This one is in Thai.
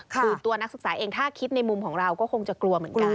คือตัวนักศึกษาเองถ้าคิดในมุมของเราก็คงจะกลัวเหมือนกัน